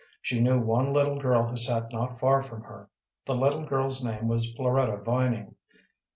She knew one little girl who sat not far from her. The little girl's name was Floretta Vining.